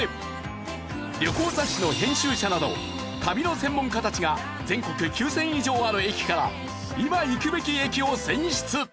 旅行雑誌の編集者など旅の専門家たちが全国９０００以上ある駅から今行くべき駅を選出。